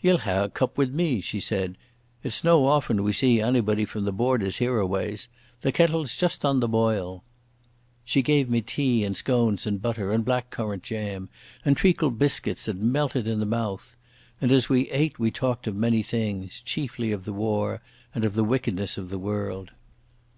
"Ye'll hae a cup wi' me," she said. "It's no often we see onybody frae the Borders hereaways. The kettle's just on the boil." She gave me tea and scones and butter, and black currant jam, and treacle biscuits that melted in the mouth. And as we ate we talked of many things—chiefly of the war and of the wickedness of the world.